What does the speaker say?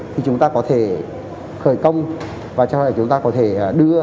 thì chúng ta có thể khởi công và cho là chúng ta có thể đưa